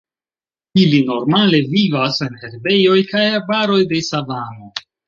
Ili normale vivas en herbejoj kaj arbaroj de savano.